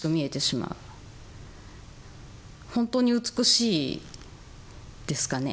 本当に美しいですかね？